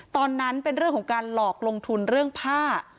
ตอนนั้นเป็นเรื่องของการหลอกลงทุนเรื่องผ้า